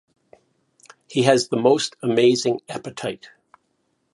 He has the most amazing appetite.